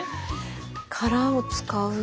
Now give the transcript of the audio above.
殻を使うあ！